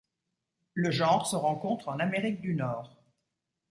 Le genre se rencontre en Amérique du Nord.